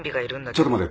ちょっと待て。